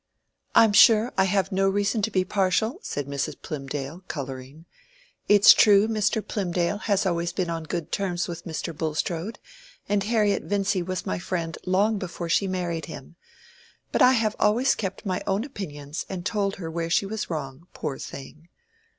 "I am sure I have no reason to be partial," said Mrs. Plymdale, coloring. "It's true Mr. Plymdale has always been on good terms with Mr. Bulstrode, and Harriet Vincy was my friend long before she married him. But I have always kept my own opinions and told her where she was wrong, poor thing.